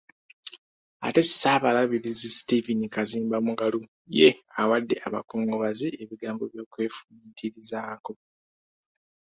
Ate Ssaabalabirizi Stephen Kazimba Mugalu ye awadde abakungubazi ebigambo by'okwefumiitirizaako.